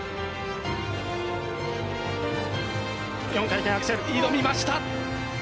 ４回転アクセル挑みました！